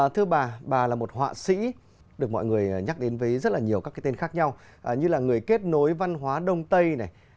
thưa bà bà là một họa sĩ được mọi người nhắc đến với rất nhiều các tên khác nhau như là người kết nối văn hóa đông tây